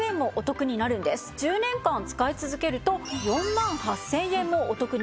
１０年間使い続けると４万８０００円もお得になります。